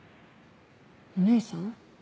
お姉さん？